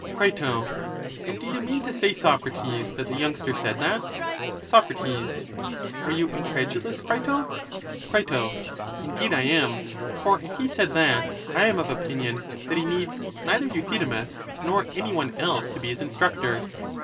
Cri, And do you mean to say, Socrates, that the youngster said that? Soc, Are you incredulous, Crito? Cri, Indeed, I am; for if he said that, I am of opinion that he needs neither Euthydemus nor any one else to be his instructor.